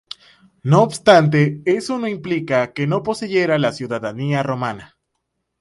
No obstante eso no implica que no poseyera la ciudadanía romana.